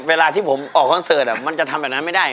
เวลาที่ผมออกคอนเสิร์ตมันจะทำแบบนั้นไม่ได้